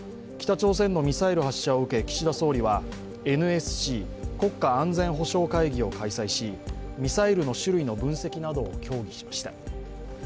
北朝鮮のミサイル発射を受け、岸田総理はＮＳＣ＝国家安全保障会議を開催しミサイルの種類の分析などを協議しました。